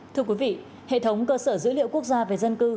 thưa quý vị hệ thống cơ sở dữ liệu quốc gia về dân cư